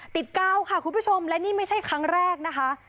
๙ค่ะคุณผู้ชมและนี่ไม่ใช่ครั้งแรกนะคะ